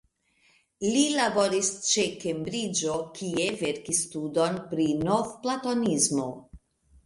Li laboris ĉe Kembriĝo, kie verkis studon pri Novplatonismo.